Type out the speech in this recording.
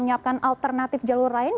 menyiapkan alternatif jalur lain